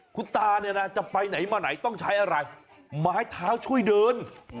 คุณตาเนี่ยนะจะไปไหนมาไหนต้องใช้อะไรไม้เท้าช่วยเดิน